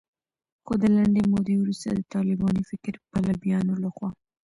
خو د لنډې مودې وروسته د طالباني فکر پلویانو لخوا